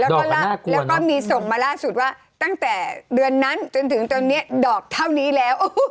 แล้วก็มีส่งมาล่าสุดว่าตั้งแต่เดือนนั้นจนถึงตอนนี้ดอกเท่านี้แล้ว